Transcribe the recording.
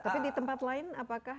tapi di tempat lain apakah